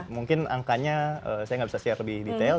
mungkin angkanya saya nggak bisa share lebih detail